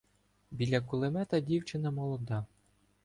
Біля кулемета дівчина молода.